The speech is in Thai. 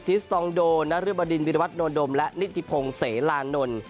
สตองโดนรึบดินวิรวัตโนดมและนิติพงศ์เสลานนท์